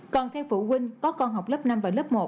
còn theo phụ huynh có con học lớp năm và lớp một